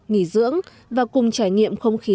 nghỉ dưỡng và cùng trải nghiệm không khí